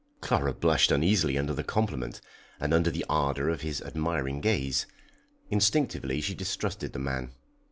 Clara blushed uneasily under the compliment, and under the ardour of his admiring gaze. Instinctively she distrusted the man.